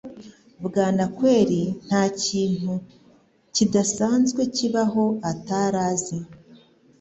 Bwanakweri nta kintu kidasanzwe kibaho atarazi.